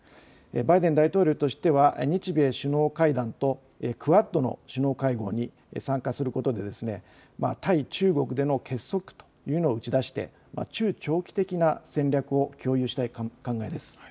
バイデン大統領としては日米首脳会談とクアッドの首脳会合に参加することにより対中国での結束というのを打ち出して中長期的な戦略を共有したい考えです。